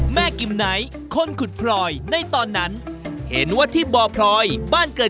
กิมไนท์คนขุดพลอยในตอนนั้นเห็นว่าที่บ่อพลอยบ้านเกิด